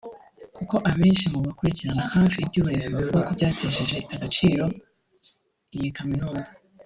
kuko abenshi mu bakurikiranira hafi iby’uburezi bavuga ko byatesheje agaciro iyi Kaminuza